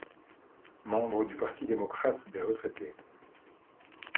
Membre du Parti démocrate des retraités.